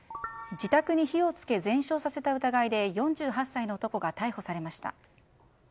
自宅に火を付け全焼させた疑いで４８歳の男が逮捕されました。